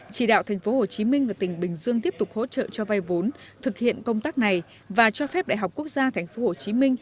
chỉ đạo tp hcm và tỉnh bình dương tiếp tục hỗ trợ cho vay vốn thực hiện công tác này và cho phép đại học quốc gia tp hcm